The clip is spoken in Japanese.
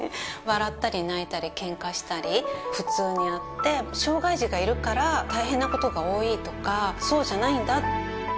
笑ったり泣いたりケンカしたり普通にあって障がい児がいるから大変なことが多いとかそうじゃないんだ。